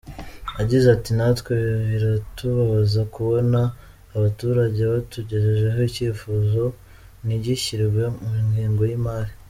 Yagize ati “Natwe biratubabaza kubona abaturage batugejejeho icyifuzo ntigishyirwe mu ngengo y’imari.